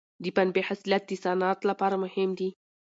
د پنبې حاصلات د صنعت لپاره مهم دي.